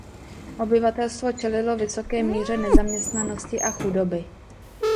Obyvatelstvo čelilo vysoké míře nezaměstnanosti a chudoby.